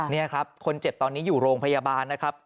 นี่ครับคนเจ็บตอนนี้อยู่โรงพยาบาลนะครับ